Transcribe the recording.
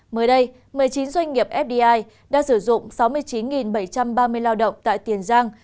mới đây một mươi chín doanh nghiệp fdi đã sử dụng sáu mươi chín bảy trăm ba mươi lao động tại tiền giang